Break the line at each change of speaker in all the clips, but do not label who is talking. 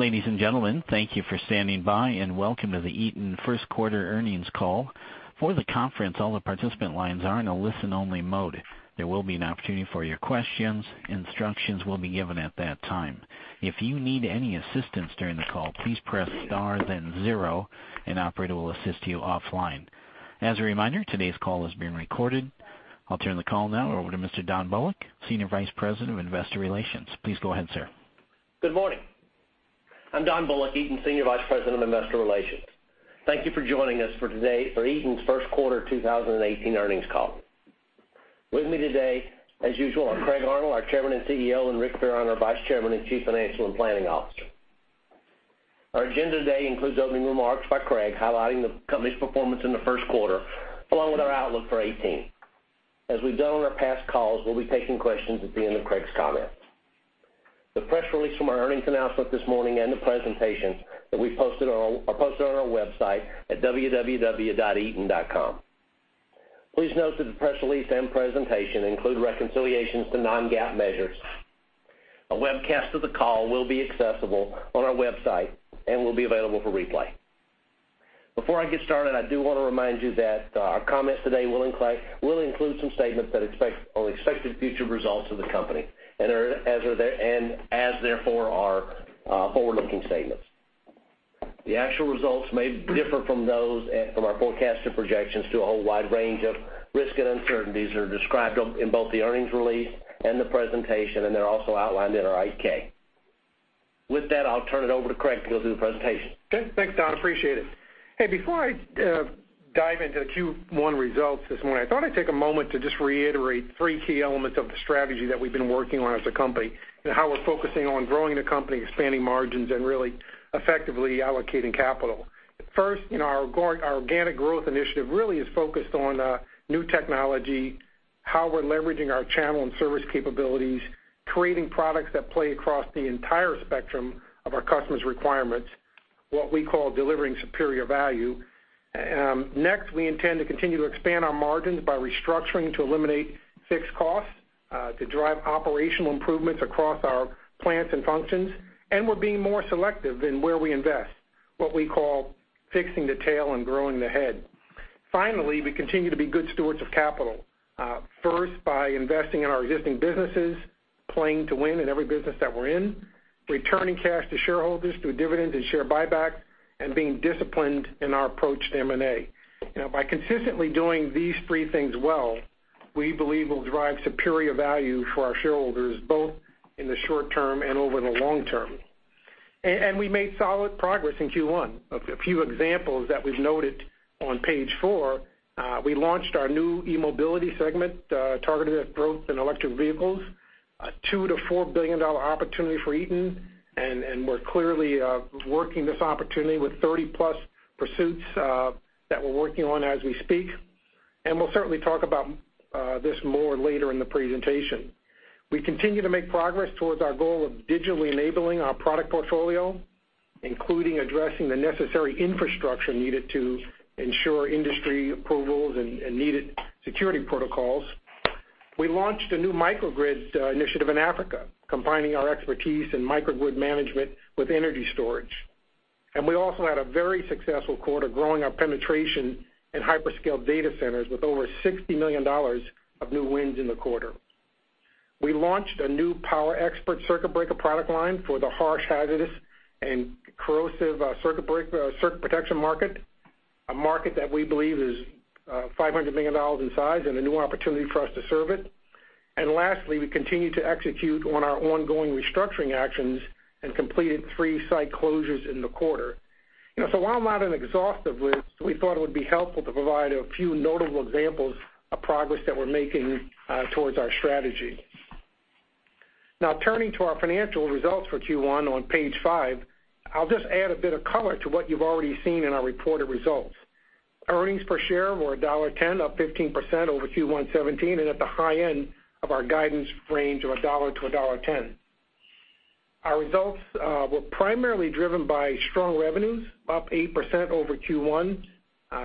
Ladies and gentlemen, thank you for standing by. Welcome to the Eaton first quarter earnings call. For the conference, all the participant lines are in a listen-only mode. There will be an opportunity for your questions. Instructions will be given at that time. If you need any assistance during the call, please press star then zero, an operator will assist you offline. As a reminder, today's call is being recorded. I'll turn the call now over to Mr. Don Bullock, Senior Vice President of Investor Relations. Please go ahead, sir.
Good morning. I'm Don Bullock, Eaton's Senior Vice President of Investor Relations. Thank you for joining us today for Eaton's first quarter 2018 earnings call. With me today, as usual, are Craig Arnold, our Chairman and CEO, and Richard Fearon, our Vice Chairman and Chief Financial and Planning Officer. Our agenda today includes opening remarks by Craig highlighting the company's performance in the first quarter, along with our outlook for 2018. As we've done on our past calls, we'll be taking questions at the end of Craig's comments. The press release from our earnings announcement this morning and the presentations are posted on our website at www.eaton.com. Please note that the press release and presentation include reconciliations to non-GAAP measures. A webcast of the call will be accessible on our website and will be available for replay. Before I get started, I do want to remind you that our comments today will include some statements on expected future results of the company and therefore are forward-looking statements. The actual results may differ from those from our forecasted projections due a whole wide range of risk and uncertainties that are described in both the earnings release and the presentation, and they're also outlined in our 10-K. With that, I'll turn it over to Craig to go through the presentation.
Okay, thanks, Don. Appreciate it. Before I dive into the Q1 results this morning, I thought I'd take a moment to just reiterate three key elements of the strategy that we've been working on as a company and how we're focusing on growing the company, expanding margins, and really effectively allocating capital. First, our organic growth initiative really is focused on new technology, how we're leveraging our channel and service capabilities, creating products that play across the entire spectrum of our customers' requirements, what we call delivering superior value. Next, we intend to continue to expand our margins by restructuring to eliminate fixed costs, to drive operational improvements across our plants and functions, and we're being more selective in where we invest, what we call fixing the tail and growing the head. Finally, we continue to be good stewards of capital. By investing in our existing businesses, playing to win in every business that we're in, returning cash to shareholders through dividends and share buyback, and being disciplined in our approach to M&A. By consistently doing these three things well, we believe we'll drive superior value for our shareholders, both in the short term and over the long term. We made solid progress in Q1. A few examples that we've noted on page four, we launched our new eMobility segment, targeted at growth in electric vehicles, a $2 billion-$4 billion opportunity for Eaton, we're clearly working this opportunity with 30-plus pursuits that we're working on as we speak. We'll certainly talk about this more later in the presentation. We continue to make progress towards our goal of digitally enabling our product portfolio, including addressing the necessary infrastructure needed to ensure industry approvals and needed security protocols. We launched a new microgrid initiative in Africa, combining our expertise in microgrid management with energy storage. We also had a very successful quarter growing our penetration in hyperscale data centers with over $60 million of new wins in the quarter. We launched a new Power Xpert circuit breaker product line for the harsh, hazardous, and corrosive circuit protection market, a market that we believe is $500 million in size and a new opportunity for us to serve it. Lastly, we continue to execute on our ongoing restructuring actions and completed three site closures in the quarter. While not an exhaustive list, we thought it would be helpful to provide a few notable examples of progress that we're making towards our strategy. Turning to our financial results for Q1 on page five, I'll just add a bit of color to what you've already seen in our reported results. Earnings per share were $1.10, up 15% over Q1 2017, and at the high end of our guidance range of $1-$1.10. Our results were primarily driven by strong revenues, up 8% over Q1.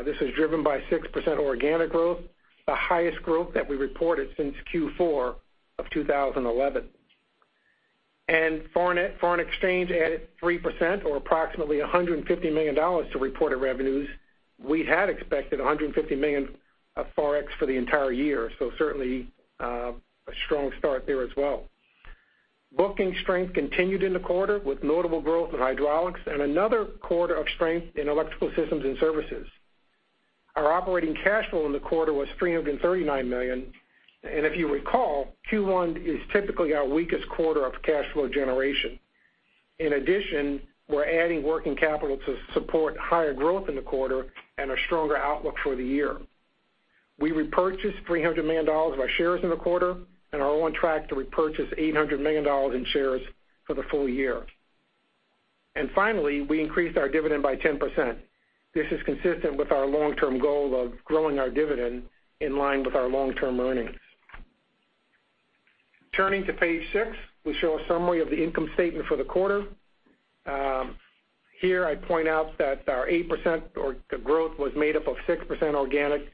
This was driven by 6% organic growth, the highest growth that we reported since Q4 2011. Foreign exchange added 3% or approximately $150 million to reported revenues. We had expected $150 million of Forex for the entire year, certainly, a strong start there as well. Booking strength continued in the quarter with notable growth in Hydraulics and another quarter of strength in Electrical Systems and Services. Our operating cash flow in the quarter was $339 million. If you recall, Q1 is typically our weakest quarter of cash flow generation. In addition, we're adding working capital to support higher growth in the quarter and a stronger outlook for the year. We repurchased $300 million of our shares in the quarter and are on track to repurchase $800 million in shares for the full year. Finally, we increased our dividend by 10%. This is consistent with our long-term goal of growing our dividend in line with our long-term earnings. Turning to page six, we show a summary of the income statement for the quarter. Here, I point out that our 8% or the growth was made up of 6% organic,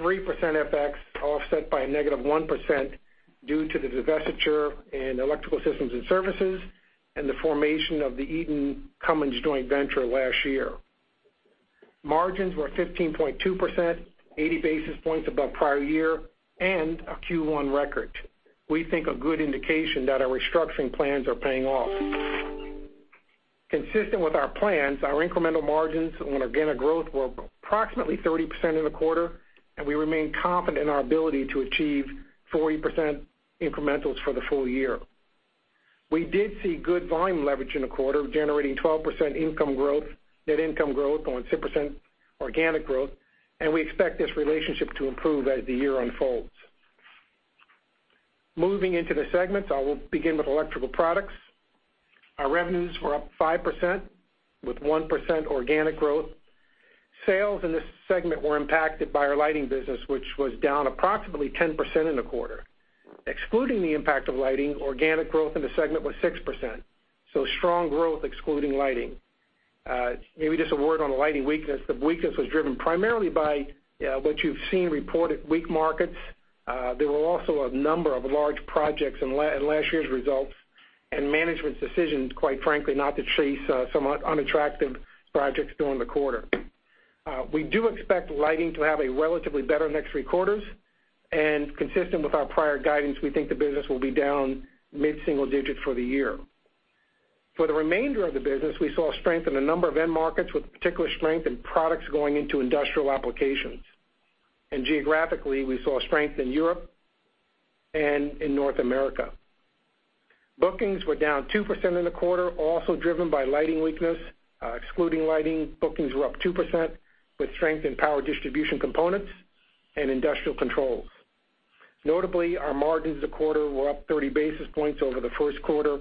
3% FX, offset by a negative 1% due to the divestiture in Electrical Systems and Services and the formation of the Eaton Cummins joint venture last year. Margins were 15.2%, 80 basis points above prior year, and a Q1 record. We think a good indication that our restructuring plans are paying off. Consistent with our plans, our incremental margins on organic growth were approximately 30% in the quarter, and we remain confident in our ability to achieve 40% incrementals for the full year. We did see good volume leverage in the quarter, generating 12% net income growth on 6% organic growth, and we expect this relationship to improve as the year unfolds. Moving into the segments, I will begin with Electrical Products. Our revenues were up 5%, with 1% organic growth. Sales in this segment were impacted by our lighting business, which was down approximately 10% in the quarter. Excluding the impact of lighting, organic growth in the segment was 6%. Strong growth excluding lighting. Maybe just a word on the lighting weakness. The weakness was driven primarily by what you've seen reported, weak markets. There were also a number of large projects in last year's results, and management's decisions, quite frankly, not to chase some unattractive projects during the quarter. We do expect lighting to have a relatively better next three quarters, and consistent with our prior guidance, we think the business will be down mid-single digits for the year. For the remainder of the business, we saw strength in a number of end markets, with particular strength in products going into industrial applications. Geographically, we saw strength in Europe and in North America. Bookings were down 2% in the quarter, also driven by lighting weakness. Excluding lighting, bookings were up 2%, with strength in power distribution components and industrial controls. Notably, our margins this quarter were up 30 basis points over the first quarter,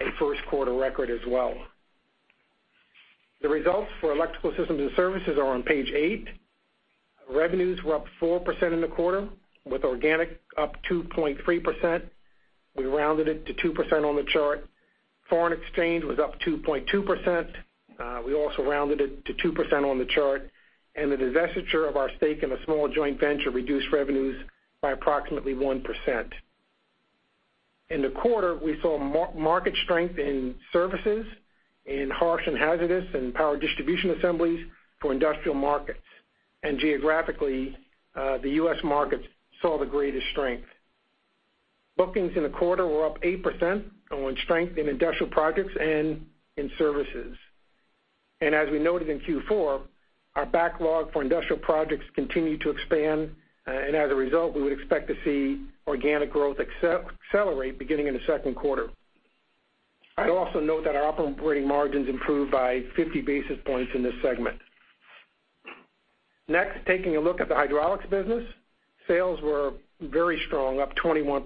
a first quarter record as well. The results for Electrical Systems and Services are on page eight. Revenues were up 4% in the quarter, with organic up 2.3%. We rounded it to 2% on the chart. Foreign exchange was up 2.2%. We also rounded it to 2% on the chart. The divestiture of our stake in a small joint venture reduced revenues by approximately 1%. In the quarter, we saw market strength in services, in harsh and hazardous and power distribution assemblies for industrial markets. Geographically, the U.S. markets saw the greatest strength. Bookings in the quarter were up 8% on strength in industrial projects and in services. As we noted in Q4, our backlog for industrial projects continued to expand, and as a result, we would expect to see organic growth accelerate beginning in the second quarter. I'd also note that our operating margins improved by 50 basis points in this segment. Next, taking a look at the Hydraulics business. Sales were very strong, up 21%,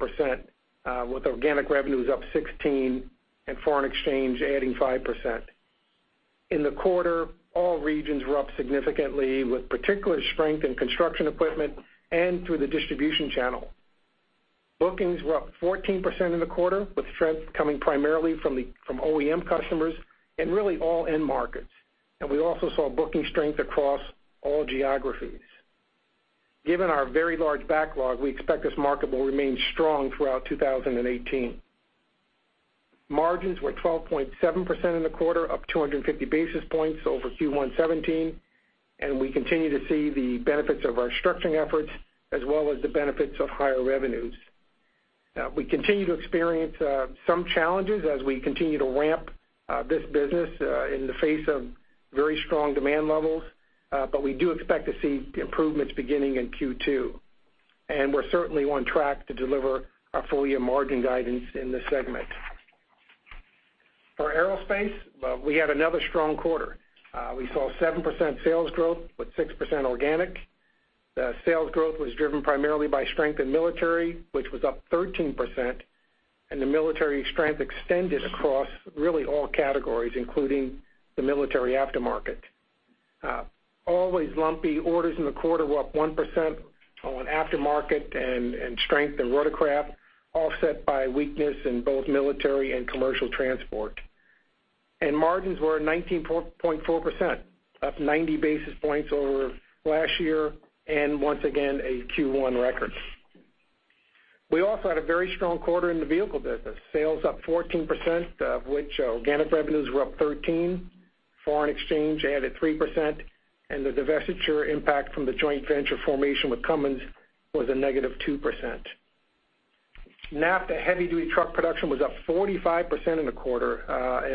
with organic revenues up 16% and foreign exchange adding 5%. In the quarter, all regions were up significantly, with particular strength in construction equipment and through the distribution channel. Bookings were up 14% in the quarter, with strength coming primarily from OEM customers and really all end markets. We also saw booking strength across all geographies. Given our very large backlog, we expect this market will remain strong throughout 2018. Margins were 12.7% in the quarter, up 250 basis points over Q1 2017, and we continue to see the benefits of our structuring efforts as well as the benefits of higher revenues. We continue to experience some challenges as we continue to ramp this business in the face of very strong demand levels, but we do expect to see improvements beginning in Q2. We're certainly on track to deliver our full-year margin guidance in this segment. For Aerospace, we had another strong quarter. We saw 7% sales growth with 6% organic. Sales growth was driven primarily by strength in military, which was up 13%, and the military strength extended across really all categories, including the military aftermarket. Always lumpy, orders in the quarter were up 1% on aftermarket and strength in rotorcraft, offset by weakness in both military and commercial transport. Margins were 19.4%, up 90 basis points over last year, and once again, a Q1 record. We also had a very strong quarter in the Vehicle business. Sales up 14%, of which organic revenues were up 13%, foreign exchange added 3%, and the divestiture impact from the joint venture formation with Cummins was a negative 2%. NAFTA heavy-duty truck production was up 45% in the quarter.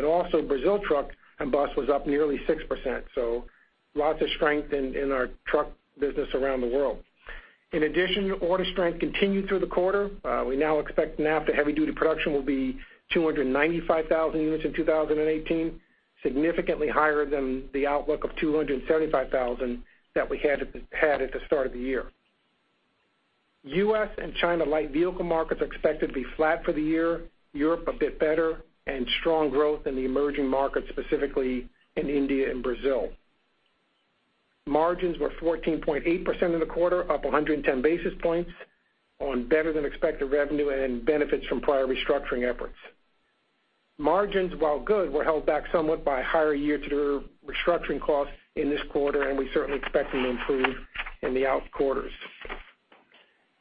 Also Brazil truck and bus was up nearly 6%. Lots of strength in our truck business around the world. In addition, order strength continued through the quarter. We now expect NAFTA heavy-duty production will be 295,000 units in 2018, significantly higher than the outlook of 275,000 that we had at the start of the year. U.S. and China light vehicle markets are expected to be flat for the year, Europe a bit better, strong growth in the emerging markets, specifically in India and Brazil. Margins were 14.8% in the quarter, up 110 basis points on better than expected revenue and benefits from prior restructuring efforts. Margins, while good, were held back somewhat by higher year-to-date restructuring costs in this quarter. We certainly expect them to improve in the out quarters.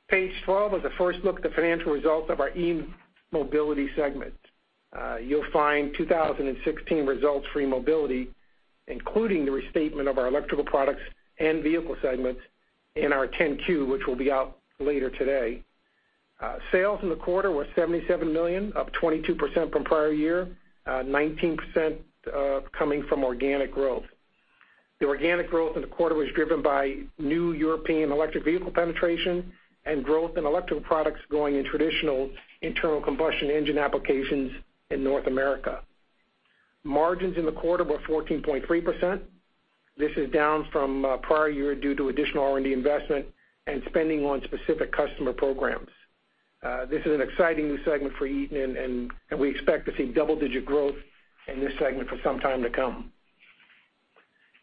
Page 12 is the first look at the financial results of our eMobility segment. You'll find 2016 results for eMobility, including the restatement of our Electrical Products and Vehicle segments in our 10-Q, which will be out later today. Sales in the quarter were $77 million, up 22% from prior year, 19% coming from organic growth. The organic growth in the quarter was driven by new European electric vehicle penetration and growth in Electrical Products going in traditional internal combustion engine applications in North America. Margins in the quarter were 14.3%. This is down from prior year due to additional R&D investment and spending on specific customer programs. This is an exciting new segment for Eaton. We expect to see double-digit growth in this segment for some time to come.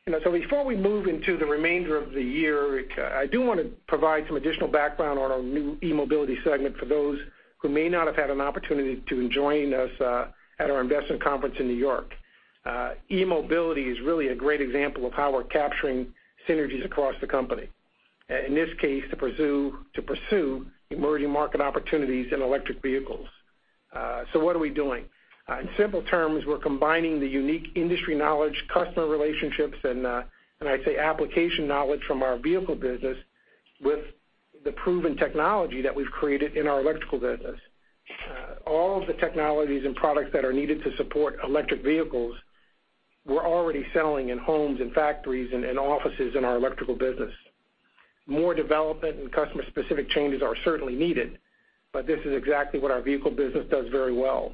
Before we move into the remainder of the year, I do want to provide some additional background on our new eMobility segment for those who may not have had an opportunity to join us at our investment conference in New York. eMobility is really a great example of how we're capturing synergies across the company. In this case, to pursue emerging market opportunities in electric vehicles. What are we doing? In simple terms, we're combining the unique industry knowledge, customer relationships, and I'd say application knowledge from our Vehicle business with the proven technology that we've created in our Electrical business. All of the technologies and products that are needed to support electric vehicles, we're already selling in homes, in factories, and in offices in our Electrical business. More development and customer-specific changes are certainly needed. This is exactly what our Vehicle business does very well.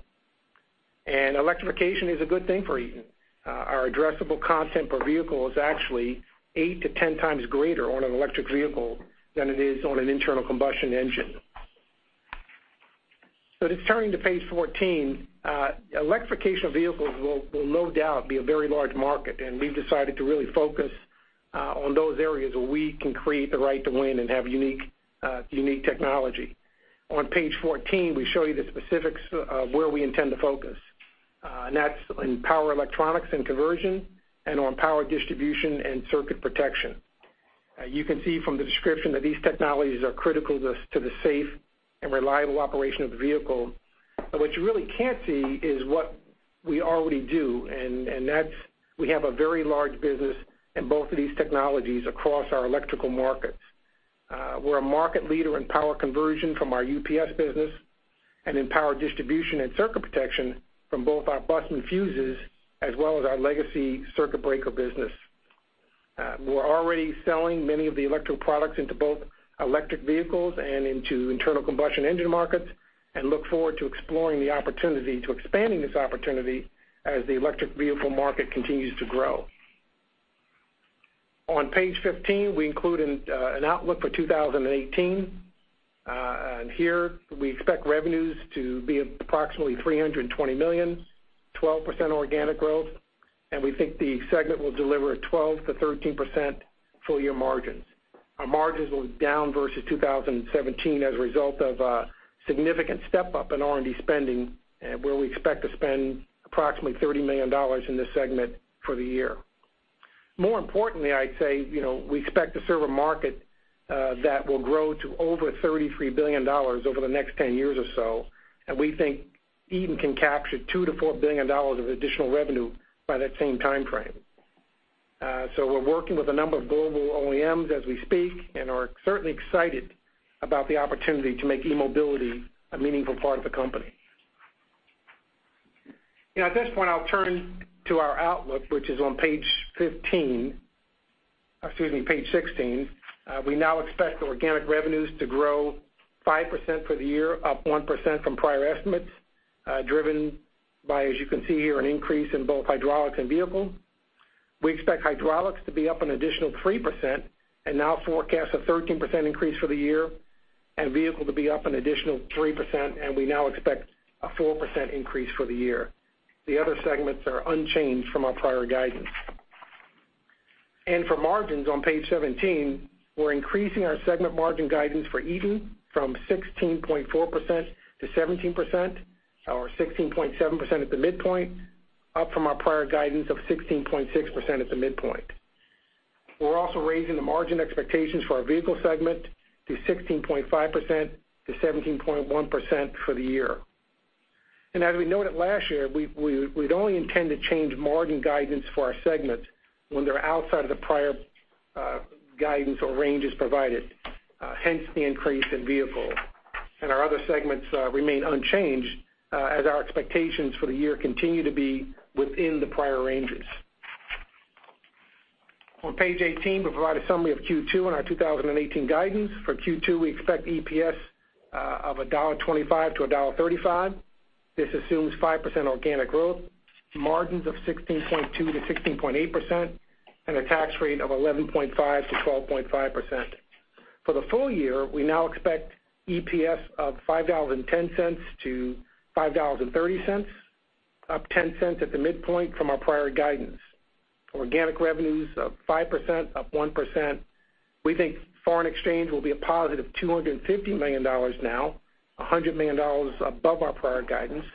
Electrification is a good thing for Eaton. Our addressable content per vehicle is actually eight to 10 times greater on an electric vehicle than it is on an internal combustion engine. Just turning to page 14, electrification of vehicles will no doubt be a very large market, we've decided to really focus on those areas where we can create the right to win and have unique technology. On page 14, we show you the specifics of where we intend to focus. That's in power electronics and conversion and on power distribution and circuit protection. You can see from the description that these technologies are critical to the safe and reliable operation of the vehicle. What you really can't see is what we already do, that's we have a very large business in both of these technologies across our electrical markets. We're a market leader in power conversion from our UPS business and in power distribution and circuit protection from both our bus and fuses, as well as our legacy circuit breaker business. We're already selling many of the electrical products into both electric vehicles and into internal combustion engine markets, look forward to exploring the opportunity to expanding this opportunity as the electric vehicle market continues to grow. On page 15, we include an outlook for 2018. Here, we expect revenues to be approximately $320 million, 12% organic growth, we think the segment will deliver a 12%-13% full year margins. Our margins were down versus 2017 as a result of a significant step-up in R&D spending, where we expect to spend approximately $30 million in this segment for the year. More importantly, I'd say, we expect to serve a market that will grow to over $33 billion over the next 10 years or so, we think Eaton can capture $2 billion-$4 billion of additional revenue by that same time frame. We're working with a number of global OEMs as we speak and are certainly excited about the opportunity to make eMobility a meaningful part of the company. At this point, I'll turn to our outlook, which is on page 15, excuse me, page 16. We now expect organic revenues to grow 5% for the year, up 1% from prior estimates, driven by, as you can see here, an increase in both Hydraulics and Vehicle. We expect Hydraulics to be up an additional 3% and now forecast a 13% increase for the year, Vehicle to be up an additional 3%, we now expect a 4% increase for the year. The other segments are unchanged from our prior guidance. For margins on page 17, we're increasing our segment margin guidance for Eaton from 16.4% to 17%, or 16.7% at the midpoint, up from our prior guidance of 16.6% at the midpoint. We're also raising the margin expectations for our Vehicle segment to 16.5%-17.1% for the year. As we noted last year, we'd only intend to change margin guidance for our segments when they're outside of the prior guidance or ranges provided, hence the increase in Vehicle. Our other segments remain unchanged, as our expectations for the year continue to be within the prior ranges. On page 18, we provide a summary of Q2 and our 2018 guidance. For Q2, we expect EPS of $1.25 to $1.35. This assumes 5% organic growth, margins of 16.2%-16.8%, and a tax rate of 11.5%-12.5%. For the full year, we now expect EPS of $5.10 to $5.30, up $0.10 at the midpoint from our prior guidance. Organic revenues up 5%, up 1%. We think foreign exchange will be a positive $250 million now, $100 million above our prior guidance.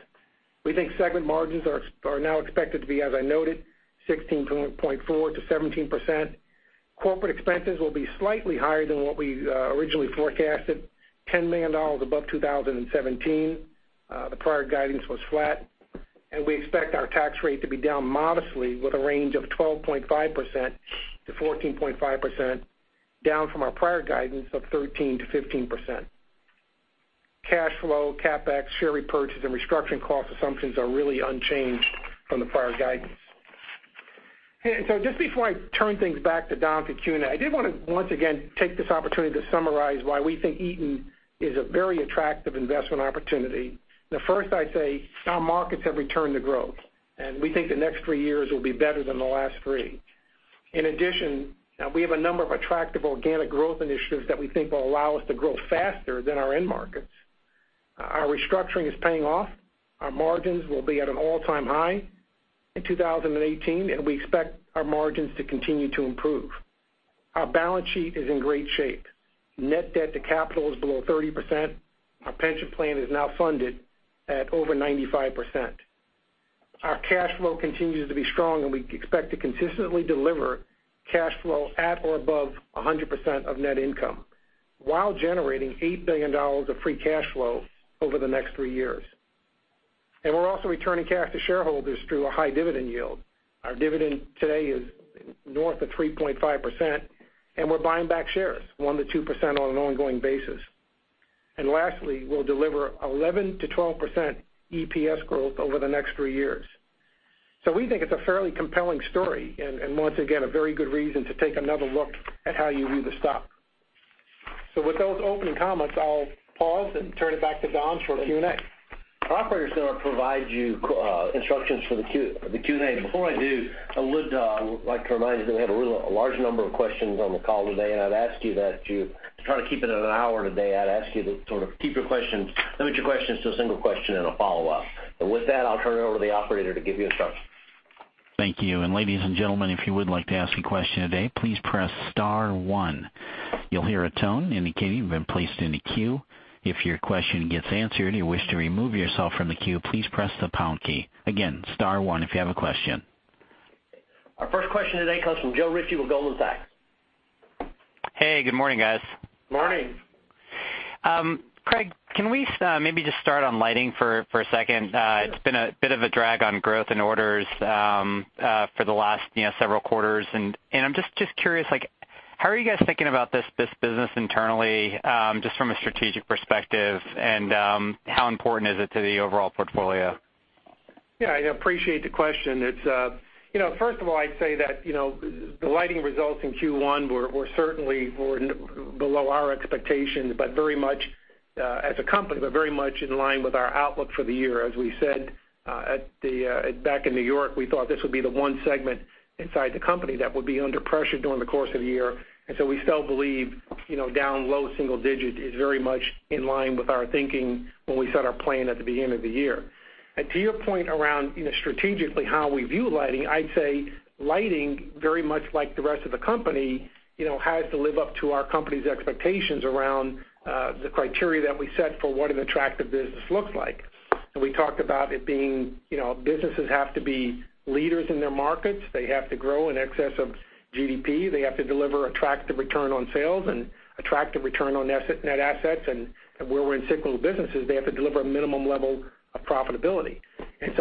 We think segment margins are now expected to be, as I noted, 16.4%-17%. Corporate expenses will be slightly higher than what we originally forecasted, $10 million above 2017. The prior guidance was flat. We expect our tax rate to be down modestly with a range of 12.5%-14.5%, down from our prior guidance of 13%-15%. Cash flow, CapEx, share repurchase, and restructuring cost assumptions are really unchanged from the prior guidance. Just before I turn things back to Don for Q&A, I did want to once again take this opportunity to summarize why we think Eaton is a very attractive investment opportunity. The first I'd say, our markets have returned to growth, and we think the next three years will be better than the last three. In addition, we have a number of attractive organic growth initiatives that we think will allow us to grow faster than our end markets. Our restructuring is paying off. Our margins will be at an all-time high in 2018, and we expect our margins to continue to improve. Our balance sheet is in great shape. Net debt to capital is below 30%. Our pension plan is now funded at over 95%. Our cash flow continues to be strong, we expect to consistently deliver cash flow at or above 100% of net income while generating $8 billion of free cash flow over the next three years. We're also returning cash to shareholders through a high dividend yield. Our dividend today is north of 3.5%, and we're buying back shares 1%-2% on an ongoing basis. Lastly, we'll deliver 11%-12% EPS growth over the next three years. We think it's a fairly compelling story, and once again, a very good reason to take another look at how you view the stock. With those opening comments, I'll pause and turn it back to Don for Q&A.
Operator's going to provide you instructions for the Q&A. Before I do, I would like to remind you that we have a large number of questions on the call today, and to try to keep it at an hour today, I'd ask you to limit your questions to a single question and a follow-up. With that, I'll turn it over to the operator to give you instructions.
Thank you. Ladies and gentlemen, if you would like to ask a question today, please press star one. You'll hear a tone indicating you've been placed in a queue. If your question gets answered and you wish to remove yourself from the queue, please press the pound key. Again, star one if you have a question.
Our first question today comes from Joe Ritchie with Goldman Sachs.
Hey, good morning, guys.
Morning.
Craig, can we maybe just start on lighting for a second? It's been a bit of a drag on growth and orders for the last several quarters, I'm just curious, how are you guys thinking about this business internally, just from a strategic perspective, how important is it to the overall portfolio?
Yeah, I appreciate the question. First of all, I'd say that the lighting results in Q1 were certainly below our expectations as a company, but very much in line with our outlook for the year. As we said back in New York, we thought this would be the one segment inside the company that would be under pressure during the course of the year. We still believe down low single-digit is very much in line with our thinking when we set our plan at the beginning of the year. To your point around strategically how we view lighting, I'd say lighting, very much like the rest of the company, has to live up to our company's expectations around the criteria that we set for what an attractive business looks like. We talked about it being businesses have to be leaders in their markets. They have to grow in excess of GDP. They have to deliver attractive return on sales and attractive return on net assets. Where we're in cyclical businesses, they have to deliver a minimum level of profitability.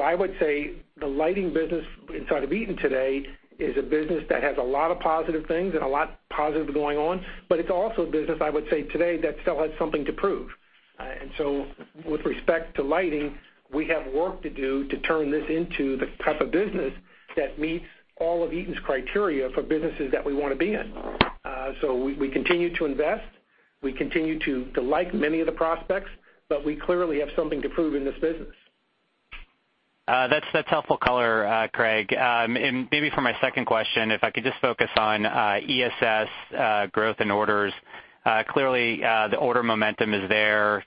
I would say the lighting business inside of Eaton today is a business that has a lot of positive things and a lot positive going on, but it's also a business, I would say today, that still has something to prove. With respect to lighting, we have work to do to turn this into the type of business that meets all of Eaton's criteria for businesses that we want to be in. We continue to invest, we continue to like many of the prospects, but we clearly have something to prove in this business.
That's helpful color, Craig. Maybe for my second question, if I could just focus on ESS growth and orders. Clearly, the order momentum is there.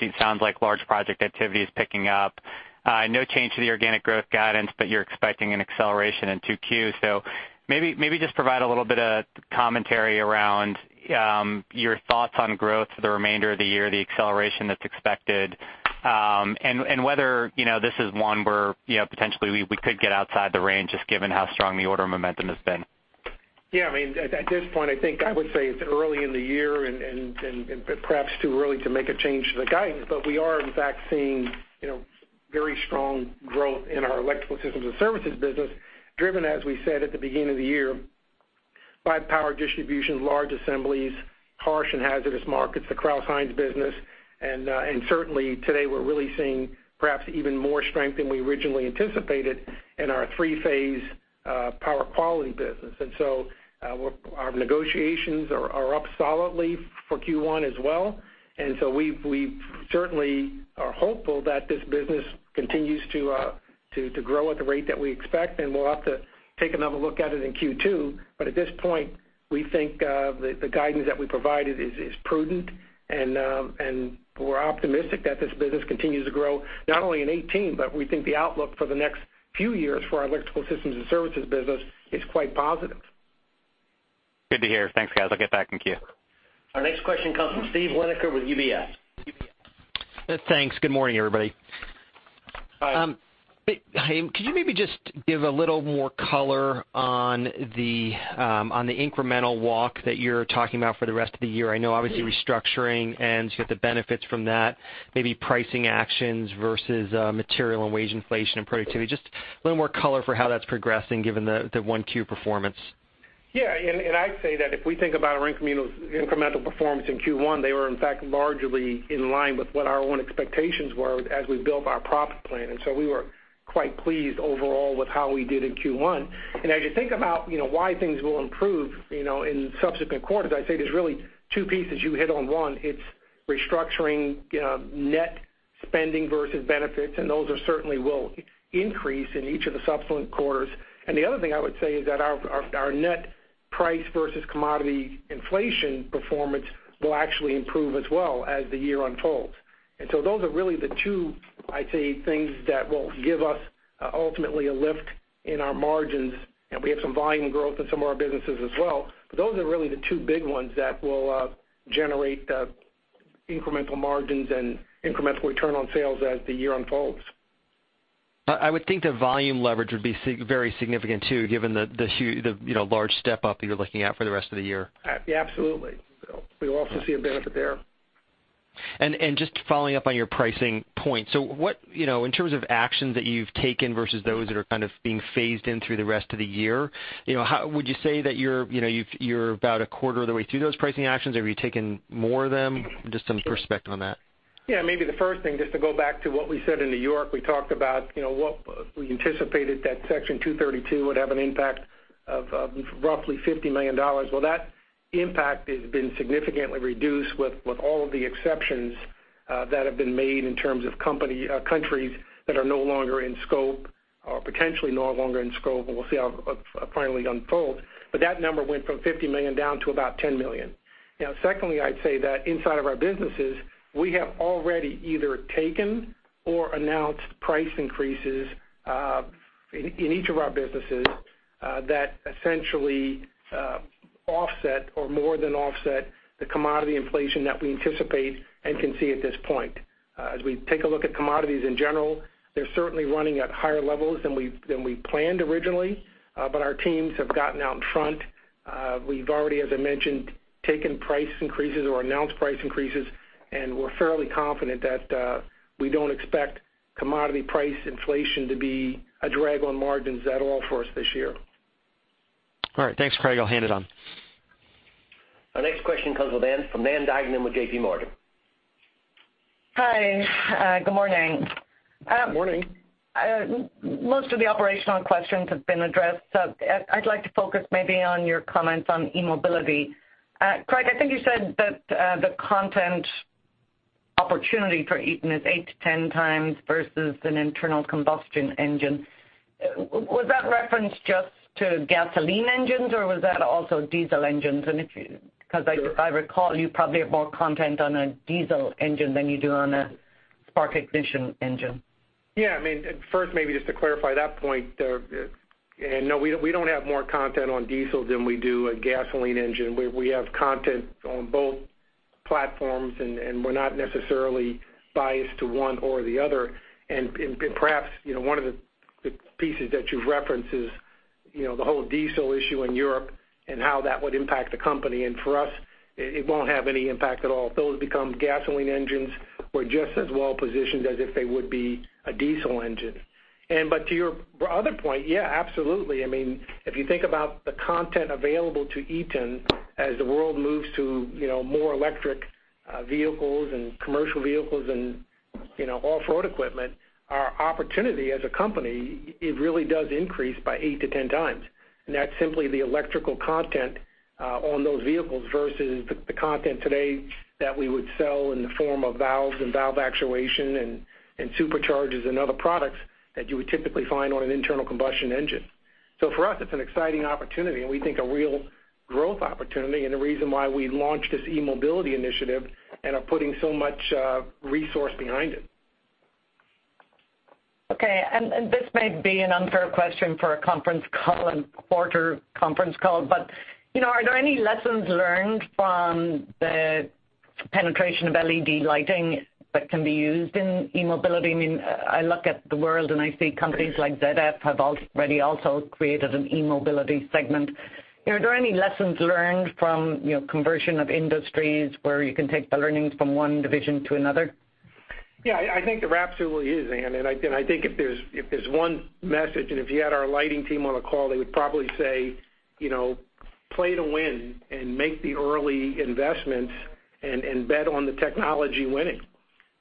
It sounds like large project activity is picking up. No change to the organic growth guidance, but you're expecting an acceleration in 2Q. Maybe just provide a little bit of commentary around your thoughts on growth for the remainder of the year, the acceleration that's expected, and whether this is one where potentially we could get outside the range just given how strong the order momentum has been.
Yeah, at this point, I think I would say it's early in the year and perhaps too early to make a change to the guidance. We are in fact seeing very strong growth in our Electrical Systems and Services business, driven, as we said at the beginning of the year, by power distribution, large assemblies, harsh and hazardous markets, the Krauss-Maffei business. Certainly today, we're really seeing perhaps even more strength than we originally anticipated in our three-phase power quality business. Our negotiations are up solidly for Q1 as well. We certainly are hopeful that this business continues to grow at the rate that we expect, and we'll have to take another look at it in Q2. At this point, we think the guidance that we provided is prudent, and we're optimistic that this business continues to grow not only in 2018, but we think the outlook for the next few years for our Electrical Systems and Services business is quite positive.
Good to hear. Thanks, guys. I'll get back in queue.
Our next question comes from Steven Winoker with UBS.
Thanks. Good morning, everybody.
Hi.
Could you maybe just give a little more color on the incremental walk that you're talking about for the rest of the year? I know, obviously, restructuring and you get the benefits from that, maybe pricing actions versus material and wage inflation and productivity. Just a little more color for how that's progressing given the 1Q performance.
Yeah. I'd say that if we think about our incremental performance in Q1, they were, in fact, largely in line with what our own expectations were as we built our profit plan. So we were quite pleased overall with how we did in Q1. As you think about why things will improve in subsequent quarters, I'd say there's really two pieces. You hit on one, it's restructuring net spending versus benefits, and those certainly will increase in each of the subsequent quarters. The other thing I would say is that our net price versus commodity inflation performance will actually improve as well as the year unfolds. So those are really the two, I'd say, things that will give us ultimately a lift in our margins. We have some volume growth in some of our businesses as well, those are really the two big ones that will generate incremental margins and incremental return on sales as the year unfolds.
I would think the volume leverage would be very significant too, given the large step up you're looking at for the rest of the year.
Yeah, absolutely. We will also see a benefit there.
Just following up on your pricing point, in terms of actions that you've taken versus those that are kind of being phased in through the rest of the year, would you say that you're about a quarter of the way through those pricing actions? Have you taken more of them? Just some perspective on that.
Yeah, maybe the first thing, just to go back to what we said in New York, we talked about we anticipated that Section 232 would have an impact of roughly $50 million. That impact has been significantly reduced with all of the exceptions that have been made in terms of countries that are no longer in scope or potentially no longer in scope, and we'll see how it finally unfolds. That number went from $50 million down to about $10 million. Secondly, I'd say that inside of our businesses, we have already either taken or announced price increases, in each of our businesses, that essentially offset or more than offset the commodity inflation that we anticipate and can see at this point. As we take a look at commodities in general, they're certainly running at higher levels than we planned originally, but our teams have gotten out in front. We've already, as I mentioned, taken price increases or announced price increases, and we're fairly confident that we don't expect commodity price inflation to be a drag on margins at all for us this year.
All right. Thanks, Craig. I'll hand it on.
Our next question comes with Ann from Ann Duignan with JPMorgan.
Hi, good morning.
Good morning.
Most of the operational questions have been addressed. I'd like to focus maybe on your comments on eMobility. Craig, I think you said that the content opportunity for Eaton is 8 to 10 times versus an internal combustion engine. Was that referenced just to gasoline engines or was that also diesel engines? Because if I recall, you probably have more content on a diesel engine than you do on a spark ignition engine.
Yeah. First, maybe just to clarify that point, no, we don't have more content on diesel than we do a gasoline engine. We have content on both platforms, we're not necessarily biased to one or the other. Perhaps, one of the pieces that you've referenced is the whole diesel issue in Europe and how that would impact the company. For us, it won't have any impact at all. Those become gasoline engines. We're just as well positioned as if they would be a diesel engine. To your other point, yeah, absolutely. If you think about the content available to Eaton as the world moves to more electric vehicles and commercial vehicles and off-road equipment, our opportunity as a company, it really does increase by 8 to 10 times. That's simply the electrical content on those vehicles versus the content today that we would sell in the form of valves and valve actuation and superchargers and other products that you would typically find on an internal combustion engine. For us, it's an exciting opportunity and we think a real growth opportunity and the reason why we launched this eMobility initiative and are putting so much resource behind it.
Okay. This may be an unfair question for a quarter conference call, but are there any lessons learned from the penetration of LED lighting that can be used in eMobility? I look at the world, and I see companies like ZF have already also created an eMobility segment. Are there any lessons learned from conversion of industries where you can take the learnings from one division to another?
Yeah, I think there absolutely is, Anne. I think if there's one message, and if you had our lighting team on a call, they would probably say, play to win and make the early investments and bet on the technology winning.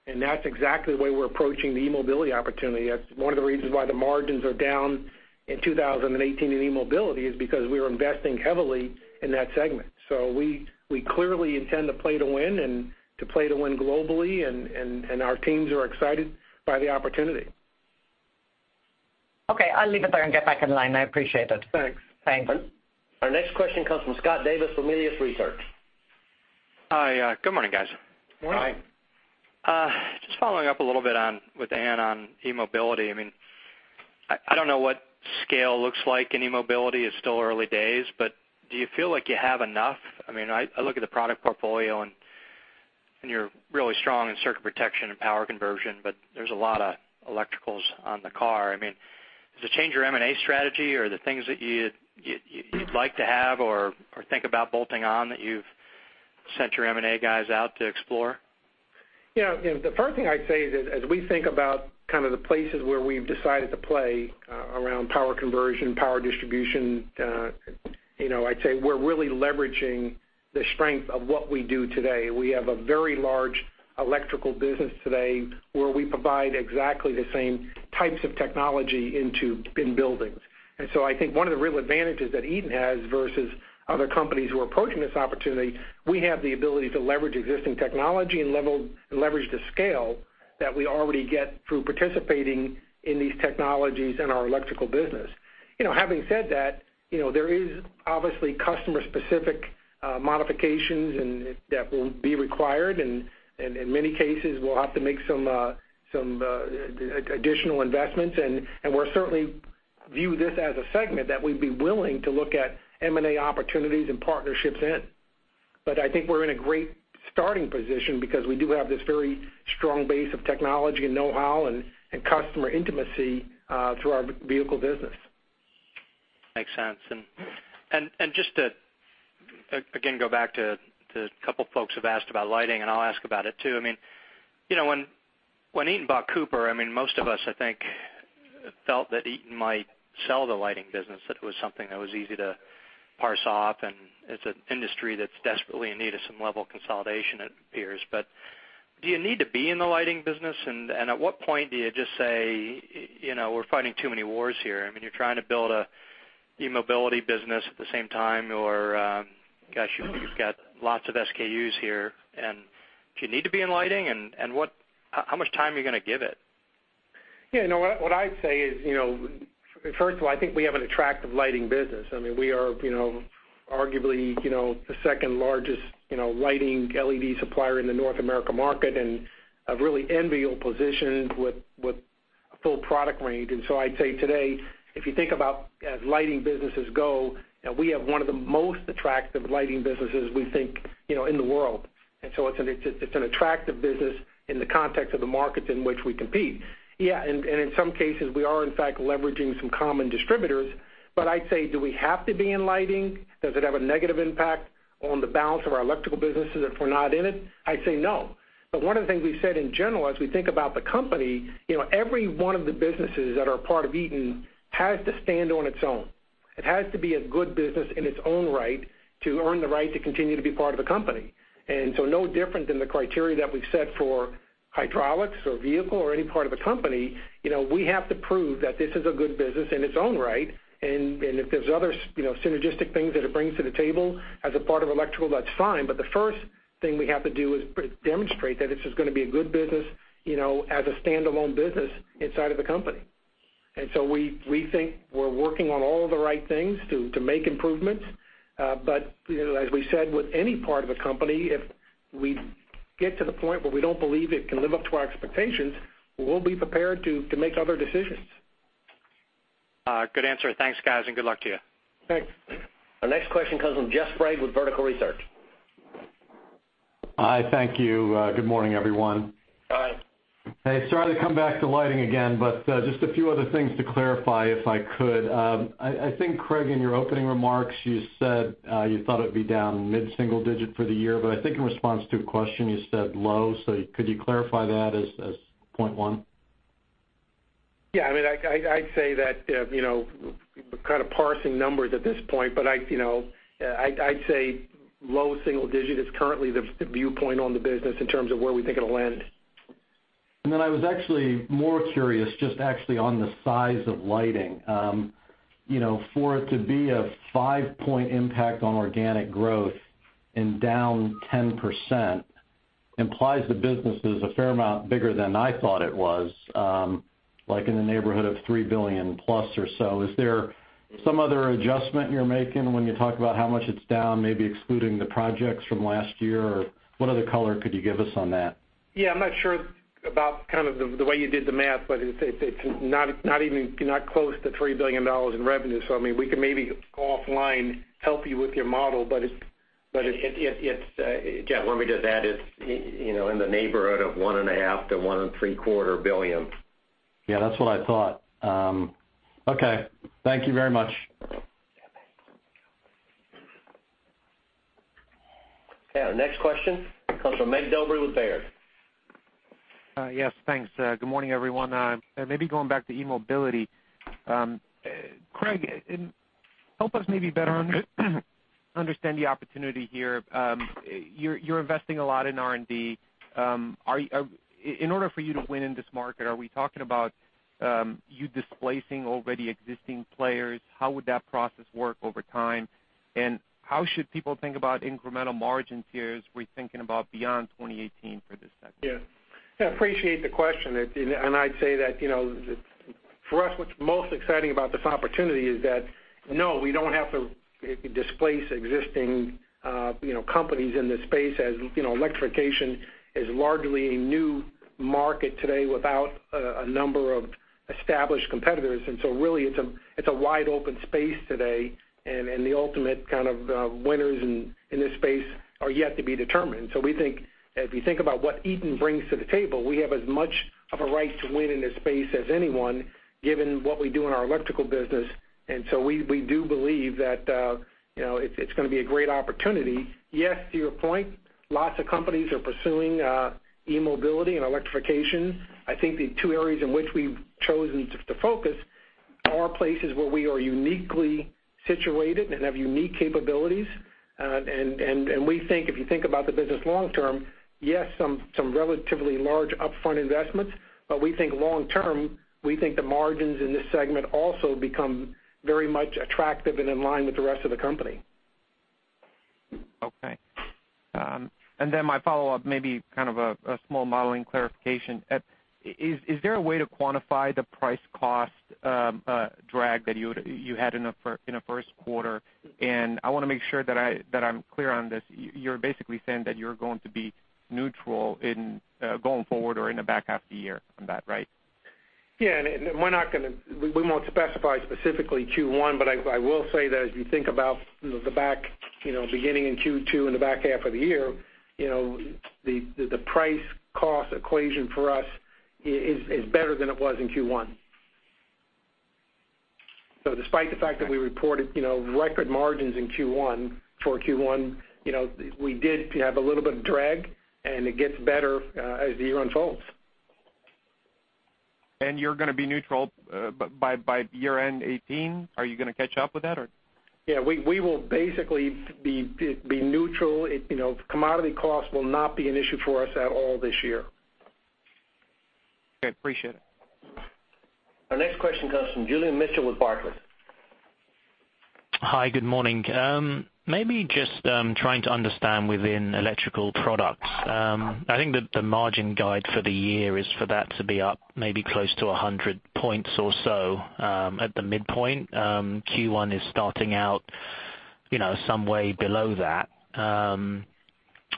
That's exactly the way we're approaching the eMobility opportunity. That's one of the reasons why the margins are down in 2018 in eMobility is because we were investing heavily in that segment. We clearly intend to play to win and to play to win globally, and our teams are excited by the opportunity.
Okay, I'll leave it there and get back in line. I appreciate it.
Thanks.
Thanks.
Our next question comes from Scott Davis with Melius Research.
Hi, good morning, guys.
Morning.
Hi.
Just following up a little bit with Ann on eMobility. I don't know what scale looks like in eMobility. It's still early days, but do you feel like you have enough? I look at the product portfolio, and you're really strong in circuit protection and power conversion, but there's a lot of electricals on the car. Does it change your M&A strategy, or are the things that you'd like to have or think about bolting on that you've sent your M&A guys out to explore?
The first thing I'd say is that as we think about kind of the places where we've decided to play around power conversion, power distribution, I'd say we're really leveraging the strength of what we do today. We have a very large electrical business today, where we provide exactly the same types of technology in buildings. I think one of the real advantages that Eaton has versus other companies who are approaching this opportunity, we have the ability to leverage existing technology and leverage the scale that we already get through participating in these technologies in our electrical business. Having said that, there is obviously customer-specific modifications that will be required, and in many cases, we'll have to make some additional investments. We certainly view this as a segment that we'd be willing to look at M&A opportunities and partnerships in. I think we're in a great starting position because we do have this very strong base of technology and know-how and customer intimacy through our vehicle business.
Makes sense. Just to, again, go back to, a couple folks have asked about lighting, and I'll ask about it, too. When Eaton bought Cooper, most of us, I think, felt that Eaton might sell the lighting business, that it was something that was easy to parse off, and it's an industry that's desperately in need of some level of consolidation, it appears. Do you need to be in the lighting business? At what point do you just say, we're fighting too many wars here? You're trying to build an eMobility business at the same time, or gosh, you've got lots of SKUs here. Do you need to be in lighting, and how much time are you going to give it?
What I'd say is, first of all, I think we have an attractive lighting business. We are arguably the second largest lighting LED supplier in the North America market and have a really enviable position with a full product range. I'd say today, if you think about as lighting businesses go, we have one of the most attractive lighting businesses we think in the world. It's an attractive business in the context of the markets in which we compete. In some cases, we are in fact leveraging some common distributors. I'd say, do we have to be in lighting? Does it have a negative impact on the balance of our Electrical businesses if we're not in it? I'd say no. One of the things we've said in general as we think about the company, every one of the businesses that are a part of Eaton has to stand on its own. It has to be a good business in its own right to earn the right to continue to be part of the company. No different than the criteria that we've set for Hydraulics or Vehicle or any part of the company, we have to prove that this is a good business in its own right, and if there's other synergistic things that it brings to the table as a part of Electrical, that's fine. The first thing we have to do is demonstrate that this is going to be a good business as a standalone business inside of the company. We think we're working on all of the right things to make improvements. As we said with any part of the company, if we get to the point where we don't believe it can live up to our expectations, we'll be prepared to make other decisions.
Good answer. Thanks, guys, good luck to you.
Thanks.
Our next question comes from Jeff Sprague with Vertical Research.
Hi, thank you. Good morning, everyone.
Hi.
Hey, sorry to come back to lighting again. Just a few other things to clarify, if I could. I think, Craig, in your opening remarks, you said you thought it'd be down mid-single digit for the year. I think in response to a question, you said low. Could you clarify that as 0.1?
Yeah, I'd say that we're kind of parsing numbers at this point. I'd say low single digit is currently the viewpoint on the business in terms of where we think it'll land.
I was actually more curious just actually on the size of lighting. For it to be a 5-point impact on organic growth and down 10% implies the business is a fair amount bigger than I thought it was, like in the neighborhood of $3 billion plus or so. Is there some other adjustment you're making when you talk about how much it's down, maybe excluding the projects from last year? Or what other color could you give us on that?
Yeah, I'm not sure about kind of the way you did the math, but it's not close to $3 billion in revenue. We could maybe go offline, help you with your model, but it's
Jeff, let me just add, it's in the neighborhood of one and a half to one and three-quarter billion.
Yeah, that's what I thought. Okay. Thank you very much.
Okay, our next question comes from Mircea Dobre with Baird.
Yes, thanks. Good morning, everyone. Maybe going back to eMobility. Craig, help us maybe better understand the opportunity here. You're investing a lot in R&D. In order for you to win in this market, are we talking about you displacing already existing players? How would that process work over time? How should people think about incremental margin tiers we're thinking about beyond 2018 for this segment?
Yeah. I appreciate the question. I'd say that for us, what's most exciting about this opportunity is that, no, we don't have to displace existing companies in this space, as electrification is largely a new market today without a number of established competitors. Really, it's a wide open space today, and the ultimate kind of winners in this space are yet to be determined. We think, if you think about what Eaton brings to the table, we have as much of a right to win in this space as anyone, given what we do in our electrical business. We do believe that it's going to be a great opportunity. Yes, to your point, lots of companies are pursuing eMobility and electrification. I think the two areas in which we've chosen to focus are places where we are uniquely situated and have unique capabilities. We think, if you think about the business long term, yes, some relatively large upfront investments, we think long term, we think the margins in this segment also become very much attractive and in line with the rest of the company.
Okay. My follow-up, maybe kind of a small modeling clarification. Is there a way to quantify the price cost drag that you had in the first quarter? I want to make sure that I'm clear on this. You're basically saying that you're going to be neutral in going forward or in the back half of the year on that, right?
Yeah. We won't specify specifically Q1, I will say that as you think about beginning in Q2, in the back half of the year, the price cost equation for us is better than it was in Q1. Despite the fact that we reported record margins in Q1, for Q1, we did have a little bit of drag, and it gets better as the year unfolds.
You're going to be neutral by year-end 2018? Are you going to catch up with that?
Yeah. We will basically be neutral. Commodity cost will not be an issue for us at all this year.
Okay. Appreciate it.
Our next question comes from Julian Mitchell with Barclays.
Hi. Good morning. Maybe just trying to understand within Electrical Products. I think that the margin guide for the year is for that to be up maybe close to 100 points or so at the midpoint. Q1 is starting out some way below that.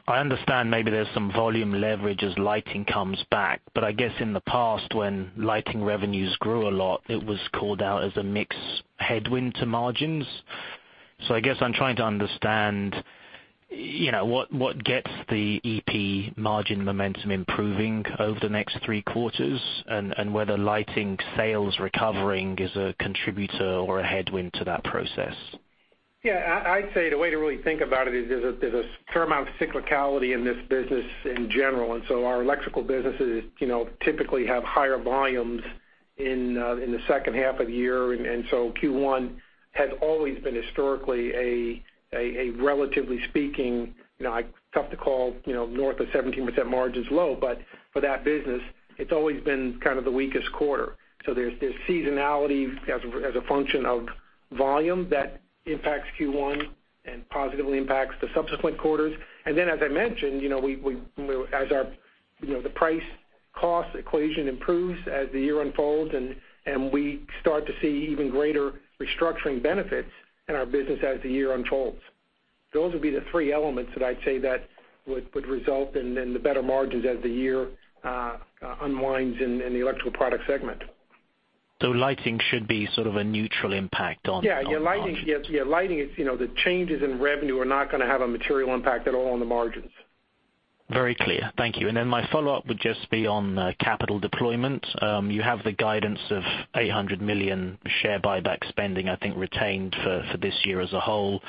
I understand maybe there's some volume leverage as lighting comes back. I guess in the past, when lighting revenues grew a lot, it was called out as a mix headwind to margins. I guess I'm trying to understand what gets the EP margin momentum improving over the next three quarters, and whether lighting sales recovering is a contributor or a headwind to that process.
Yeah. I'd say the way to really think about it is there's a fair amount of cyclicality in this business in general. Our electrical businesses typically have higher volumes in the second half of the year. Q1 has always been historically a, relatively speaking, tough to call, north of 17% margins low, but for that business, it's always been kind of the weakest quarter. There's seasonality as a function of volume that impacts Q1 and positively impacts the subsequent quarters. Then, as I mentioned, as the price cost equation improves as the year unfolds, and we start to see even greater restructuring benefits in our business as the year unfolds. Those would be the three elements that I'd say that would result in the better margins as the year unwinds in the Electrical Products segment.
Lighting should be sort of a neutral impact on.
Yeah. Lighting, the changes in revenue are not going to have a material impact at all on the margins.
Very clear. Thank you. My follow-up would just be on capital deployment. You have the guidance of $800 million share buyback spending, I think, retained for this year as a whole.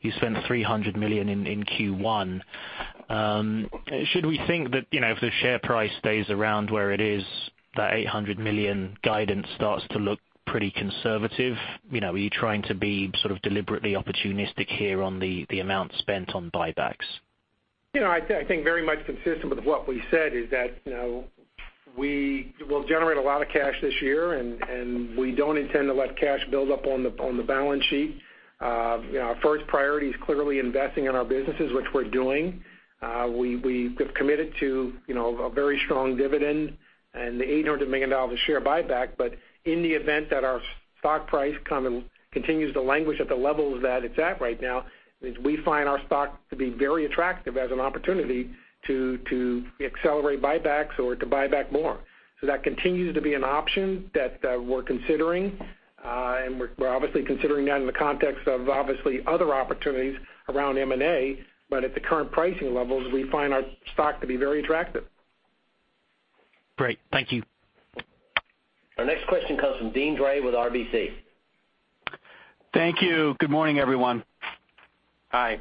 You spent $300 million in Q1. Should we think that if the share price stays around where it is, that $800 million guidance starts to look pretty conservative? Are you trying to be sort of deliberately opportunistic here on the amount spent on buybacks?
I think very much consistent with what we said is that, we will generate a lot of cash this year. We don't intend to let cash build up on the balance sheet. Our first priority is clearly investing in our businesses, which we're doing. We've committed to a very strong dividend and the $800 million of share buyback. In the event that our stock price kind of continues to languish at the levels that it's at right now, is we find our stock to be very attractive as an opportunity to accelerate buybacks or to buy back more. That continues to be an option that we're considering. We're obviously considering that in the context of obviously other opportunities around M&A. At the current pricing levels, we find our stock to be very attractive.
Great. Thank you.
Our next question comes from Deane Dray with RBC.
Thank you. Good morning, everyone.
Hi.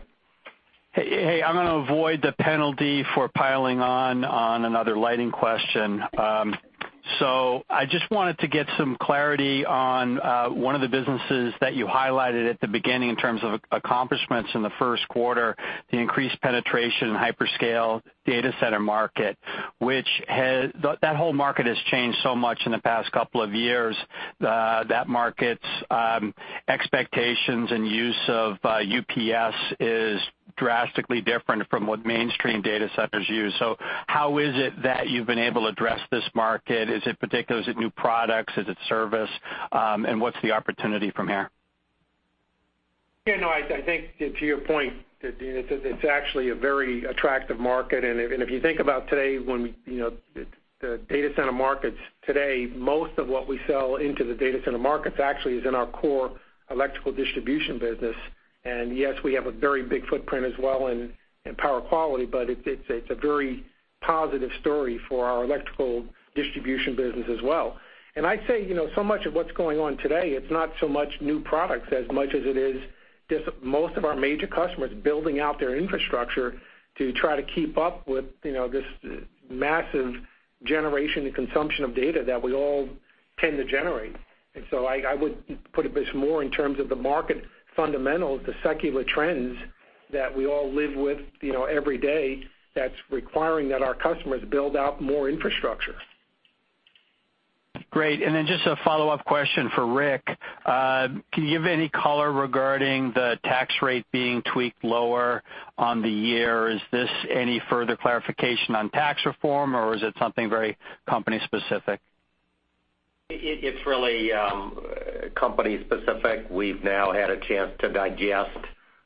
Hey, I'm going to avoid the penalty for piling on another lighting question. I just wanted to get some clarity on one of the businesses that you highlighted at the beginning in terms of accomplishments in the first quarter, the increased penetration in hyperscale data center market. That whole market has changed so much in the past couple of years. That market's expectations and use of UPS is drastically different from what mainstream data centers use. How is it that you've been able to address this market? Is it particular, is it new products? Is it service? What's the opportunity from here?
Yeah, no, I think to your point, it's actually a very attractive market. If you think about today, the data center markets today, most of what we sell into the data center markets actually is in our core electrical distribution business. Yes, we have a very big footprint as well in power quality, but it's a very positive story for our electrical distribution business as well. I'd say, so much of what's going on today, it's not so much new products as much as it is just most of our major customers building out their infrastructure to try to keep up with this massive generation and consumption of data that we all tend to generate. I would put a bit more in terms of the market fundamentals, the secular trends that we all live with every day that's requiring that our customers build out more infrastructure.
Great. Just a follow-up question for Rick. Can you give any color regarding the tax rate being tweaked lower on the year? Is this any further clarification on tax reform, or is it something very company specific?
It's really company specific. We've now had a chance to digest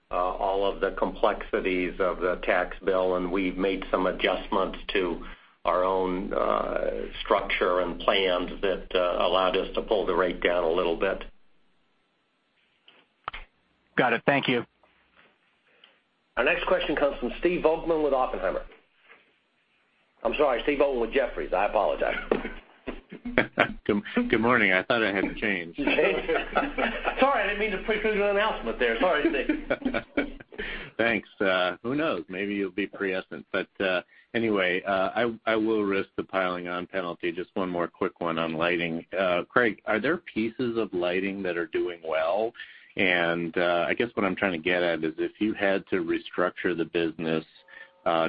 all of the complexities of the tax bill, we've made some adjustments to our own structure and plans that allowed us to pull the rate down a little bit.
Got it. Thank you.
Our next question comes from Steve Volkmann with Oppenheimer. I'm sorry, Steve Volkmann with Jefferies. I apologize.
Good morning. I thought I had to change.
Sorry, I didn't mean to pre include an announcement there. Sorry, Steve.
Thanks. Who knows? Maybe you'll be prescient. Anyway, I will risk the piling on penalty. Just one more quick one on lighting. Craig, are there pieces of lighting that are doing well? I guess what I'm trying to get at is if you had to restructure the business,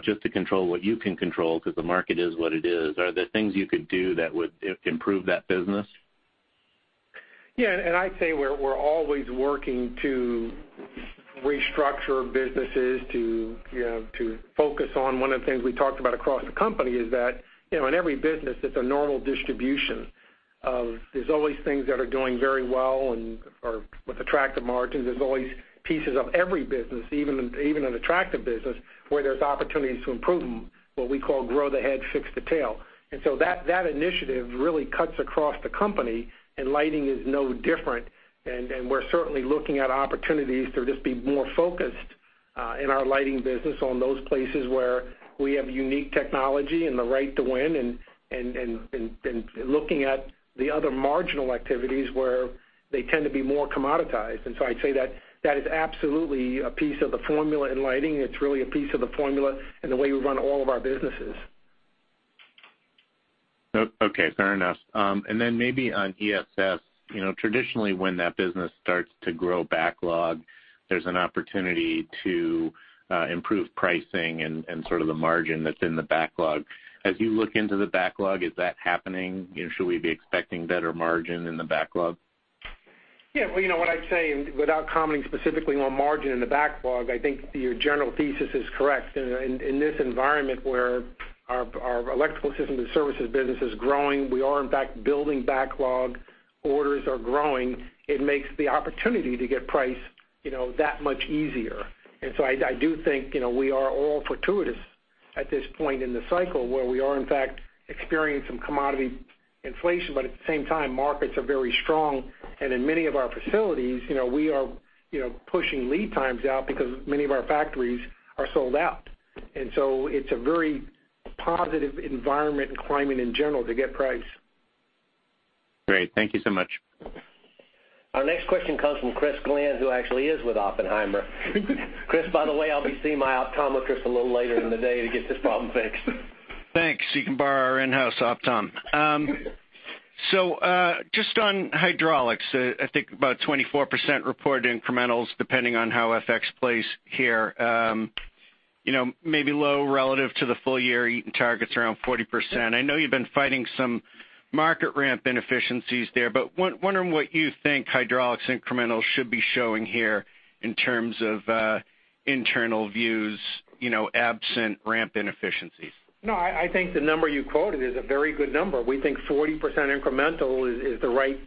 just to control what you can control because the market is what it is, are there things you could do that would improve that business?
Yeah, I'd say we're always working to restructure businesses to focus on one of the things we talked about across the company is that, in every business, it's a normal distribution of there's always things that are doing very well and/or with attractive margins. There's always pieces of every business, even an attractive business, where there's opportunities to improve them, what we call grow the head, fix the tail. That initiative really cuts across the company, and lighting is no different. We're certainly looking at opportunities to just be more focused, in our lighting business, on those places where we have unique technology and the right to win and looking at the other marginal activities where they tend to be more commoditized. I'd say that is absolutely a piece of the formula in lighting. It's really a piece of the formula in the way we run all of our businesses.
Okay. Fair enough. Maybe on ESS, traditionally, when that business starts to grow backlog, there's an opportunity to improve pricing and sort of the margin that's in the backlog. As you look into the backlog, is that happening? Should we be expecting better margin in the backlog?
Yeah. Well, what I'd say, without commenting specifically on margin in the backlog, I think your general thesis is correct. In this environment where our Electrical Systems and Services business is growing, we are, in fact, building backlog. Orders are growing. It makes the opportunity to get price that much easier. I do think we are all fortuitous at this point in the cycle where we are, in fact, experiencing some commodity inflation. At the same time, markets are very strong, and in many of our facilities, we are pushing lead times out because many of our factories are sold out. It's a very positive environment and climate in general to get price.
Great. Thank you so much.
Our next question comes from Chris Glynn, who actually is with Oppenheimer. Chris, by the way, I'll be seeing my optometrist a little later in the day to get this problem fixed.
Thanks. You can borrow our in-house optom. Just on Hydraulics, I think about 24% reported incrementals, depending on how FX plays here. Maybe low relative to the full year Eaton target's around 40%. I know you've been fighting some market ramp inefficiencies there, wondering what you think Hydraulics incremental should be showing here in terms of internal views, absent ramp inefficiencies.
No, I think the number you quoted is a very good number. We think 40% incremental is the right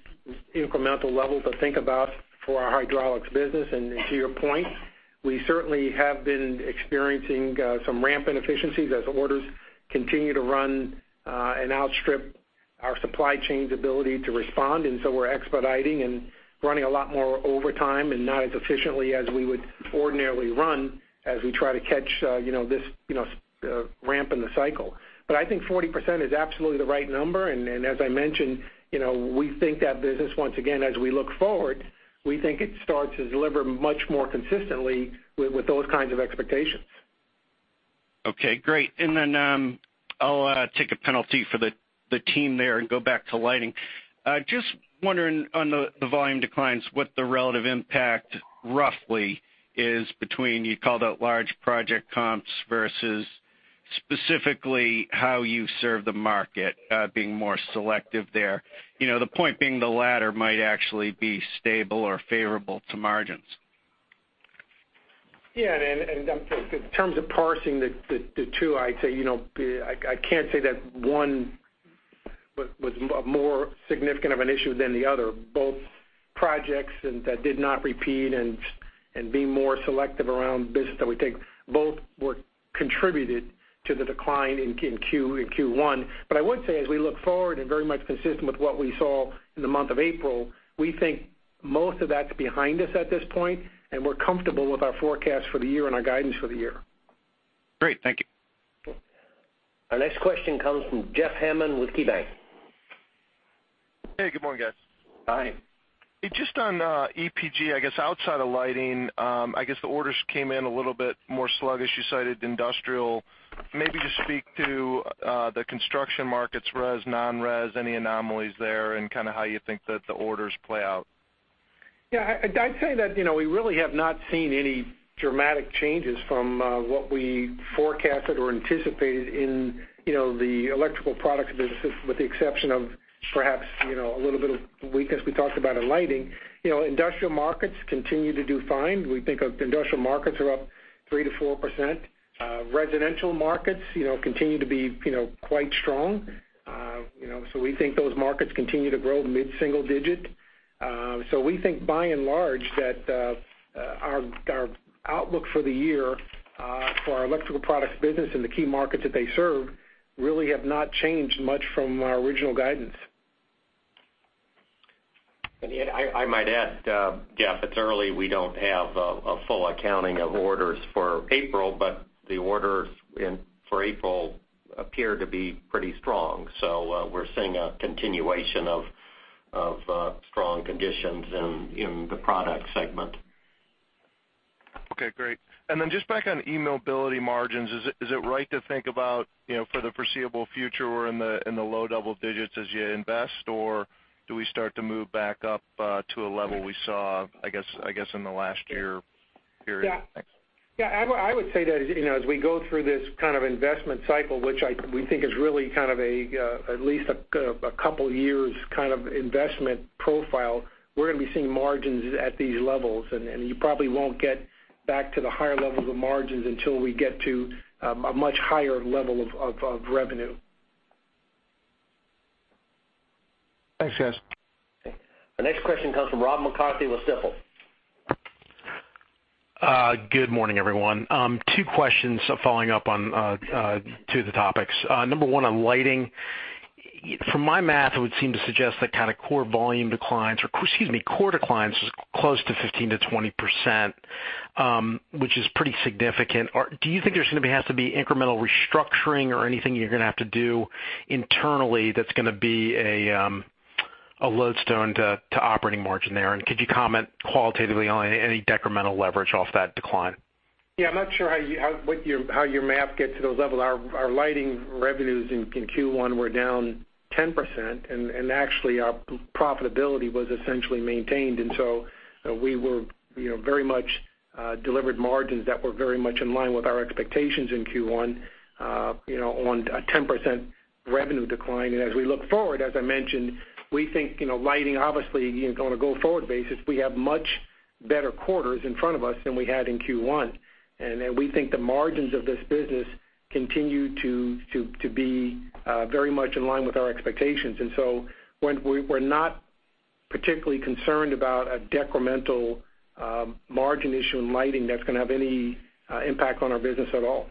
incremental level to think about for our Hydraulics business. To your point, we certainly have been experiencing some ramp inefficiencies as orders continue to run, and outstrip our supply chain's ability to respond. We're expediting and running a lot more overtime and not as efficiently as we would ordinarily run as we try to catch this ramp in the cycle. I think 40% is absolutely the right number. As I mentioned, we think that business, once again, as we look forward, we think it starts to deliver much more consistently with those kinds of expectations.
Okay, great. I'll take a penalty for the team there and go back to lighting. Just wondering on the volume declines, what the relative impact roughly is between, you called out large project comps versus specifically how you serve the market, being more selective there. The point being the latter might actually be stable or favorable to margins.
Yeah. In terms of parsing the two, I can't say that one was more significant of an issue than the other. Both projects that did not repeat and being more selective around business that we take, both contributed to the decline in Q1. I would say, as we look forward and very much consistent with what we saw in the month of April, we think most of that's behind us at this point, and we're comfortable with our forecast for the year and our guidance for the year.
Great. Thank you.
Our next question comes from Jeffrey Hammond with KeyBanc.
Hey, good morning, guys.
Hi.
Just on EPG, I guess outside of lighting, I guess the orders came in a little bit more sluggish. You cited industrial. Maybe just speak to the construction markets, res, non-res, any anomalies there, and how you think that the orders play out.
Yeah. I'd say that we really have not seen any dramatic changes from what we forecasted or anticipated in the Electrical Products business, with the exception of perhaps a little bit of weakness we talked about in lighting. Industrial markets continue to do fine. We think industrial markets are up 3%-4%. Residential markets continue to be quite strong. We think those markets continue to grow mid-single digit. We think by and large, that our outlook for the year for our Electrical Products business and the key markets that they serve really have not changed much from our original guidance.
I might add, Jeff, it's early. We don't have a full accounting of orders for April, but the orders for April appear to be pretty strong. We're seeing a continuation of strong conditions in the product segment.
Okay, great. Just back on eMobility margins, is it right to think about for the foreseeable future, we're in the low double digits as you invest, or do we start to move back up to a level we saw, I guess, in the last year period? Thanks.
Yeah. I would say that as we go through this kind of investment cycle, which we think is really at least a couple years kind of investment profile, we're going to be seeing margins at these levels. You probably won't get back to the higher levels of margins until we get to a much higher level of revenue.
Thanks, guys.
Our next question comes from Rob McCarthy with Stifel.
Good morning, everyone. Two questions following up on two of the topics. Number one, on lighting. From my math, it would seem to suggest that kind of core volume declines or, excuse me, core declines is close to 15%-20%, which is pretty significant. Do you think there's going to have to be incremental restructuring or anything you're going to have to do internally that's going to be a lodestone to operating margin there? Could you comment qualitatively on any decremental leverage off that decline?
Yeah, I'm not sure how your math gets to those levels. Our lighting revenues in Q1 were down 10%, and actually, our profitability was essentially maintained. We very much delivered margins that were very much in line with our expectations in Q1 on a 10% revenue decline. As we look forward, as I mentioned, we think, lighting, obviously, on a go-forward basis, we have much better quarters in front of us than we had in Q1. We think the margins of this business continue to be very much in line with our expectations. We're not particularly concerned about a decremental margin issue in lighting that's going to have any impact on our business at all.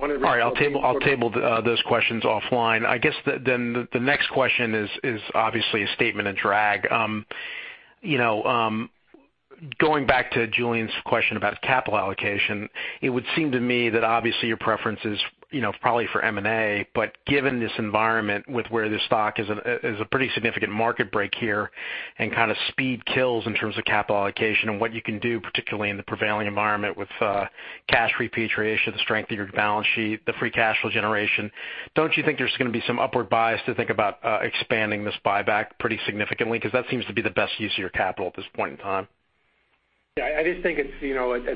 All right. I'll table those questions offline. I guess the next question is obviously a statement in drag. Going back to Julian's question about capital allocation, it would seem to me that obviously your preference is probably for M&A, given this environment with where the stock is a pretty significant market break here and kind of speed kills in terms of capital allocation and what you can do, particularly in the prevailing environment with cash repatriation, the strength of your balance sheet, the free cash flow generation, don't you think there's going to be some upward bias to think about expanding this buyback pretty significantly? That seems to be the best use of your capital at this point in time.
Yeah, I just think at